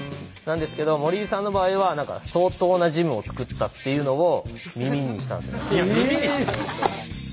なんですけど森井さんの場合は何か相当なジムを作ったっていうのを耳にしたんですよ。